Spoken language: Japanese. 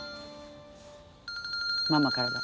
ママからだ。